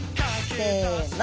せの！